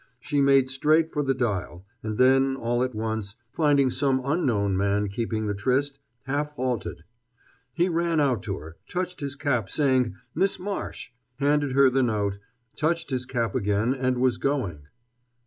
She made straight for the dial; and then, all at once, finding some unknown man keeping the tryst, half halted. He ran out to her, touched his cap, saying "Miss Marsh," handed her the note, touched his cap again, and was going.